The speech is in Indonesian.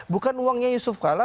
bukan uangnya yusuf kalla